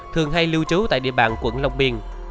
thường hay lưu trú tại địa bàn quận long biên